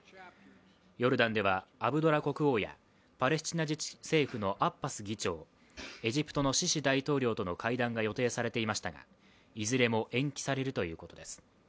ヨルダンではアブドラ国王やパレスチナ自治政府のアッバス議長、エジプトのシシ大統領との会談が予定されていましたがいずれも延期されるということです。